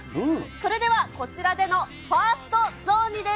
それではこちらでのファースト雑煮です。